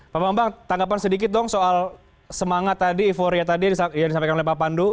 pak bambang tanggapan sedikit dong soal semangat tadi euforia tadi yang disampaikan oleh pak pandu